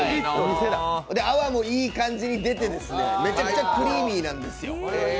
泡もいい感じに出て、めちゃくちゃクリーミーなんですよ。